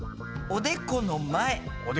おでこの前。